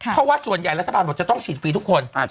เพราะว่าส่วนใหญ่รัฐบาลบอกจะต้องฉีดฟรีทุกคน